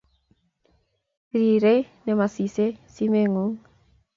Rirei ne masisei simeng'ung'